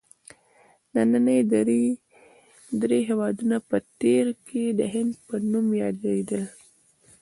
ننني درې هېوادونه په تېر کې د هند په نوم یادیدل.